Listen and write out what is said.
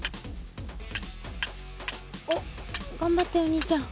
おっがんばってお兄ちゃん。